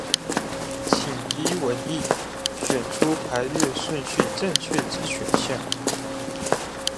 請依文意，選出排列順序正確之選項